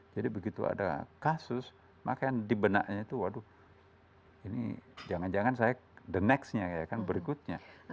jadi begitu ada kasus maka yang dibenaknya itu waduh ini jangan jangan saya the next nya ya kan berikutnya